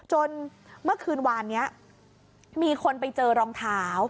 เมื่อคืนวานนี้มีคนไปเจอรองเท้า